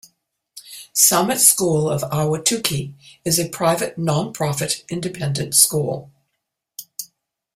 Summit School of Ahwatukee is a private, non-profit, independent school.